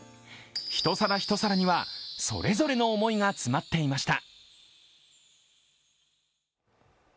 一皿一皿にはそれぞれの思いが詰まっていました。